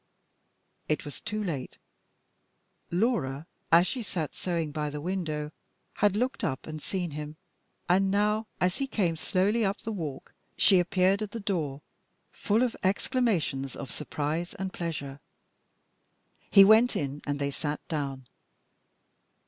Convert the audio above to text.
It was too late! Laura, as she sat sewing by the window, had looked up and seen him, and now as he came slowly up the walk she appeared at the door, full of exclamations of surprise and pleasure. He went in, and they sat down.